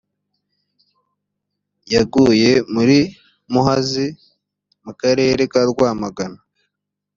yaguye muri muhazi mu karere ka rwamagana .